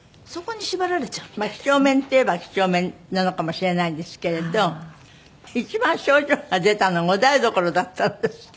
几帳面っていえば几帳面なのかもしれないんですけれど一番症状が出たのがお台所だったんですって？